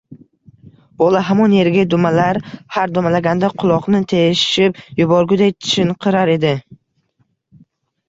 Bola hamon yerga dumalar, har dumalaganda quloqni teshib yuborgudek chinqirar edi.